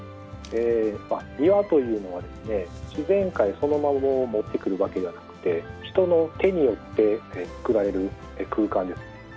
庭というのは自然界そのものを持ってくるわけじゃなくて人の手によってつくられる空間です。